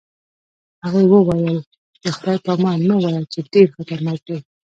هغې وویل: د خدای په امان مه وایه، چې ډېر خطرناک دی.